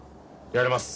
やれます。